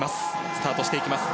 スタートしていきます。